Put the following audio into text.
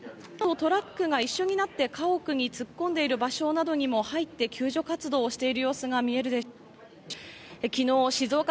トラックが一緒になって家屋に突っ込んでいる場所などにも入って救助活動をしている様子が見えるでしょうか。